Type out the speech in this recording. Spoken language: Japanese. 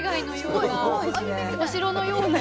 お城のような。